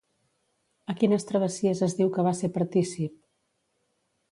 A quines travessies es diu que va ser partícip?